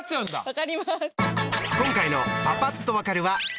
分かります。